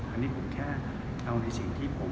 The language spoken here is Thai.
อันนี้ผมแค่เอาในสิ่งที่ผม